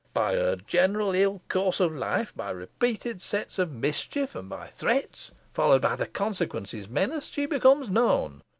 By her general ill course of life, by repeated acts of mischief, and by threats, followed by the consequences menaced, she becomes known.